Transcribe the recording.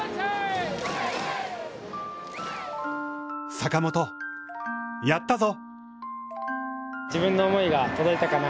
坂本、やったぞ！